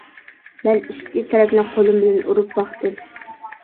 مەن ئۈستى تەرەپنى قولۇم بىلەن ئۇرۇپ باقتىم.